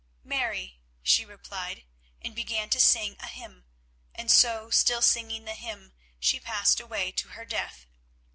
"Mary," she replied, and began to sing a hymn, and so, still singing the hymn, she passed away to her death.